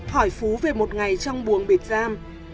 hỏi phú về một ngày trong buồng biệt giam